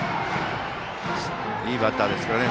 いいバッターですからね。